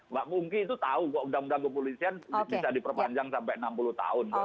mbak pungki itu tahu kok undang undang kepolisian bisa diperpanjang sampai enam puluh tahun